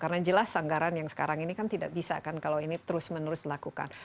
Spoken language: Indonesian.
jadi ini adalah seanggaran yang sekarang ini kan tidak bisa kan kalau ini terus menerus dilakukan